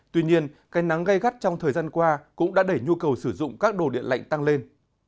tuy nhiên cái nắng gây gắt trong thời gian qua cũng đã đẩy nhu cầu sử dụng các đồ điện lạnh tăng lên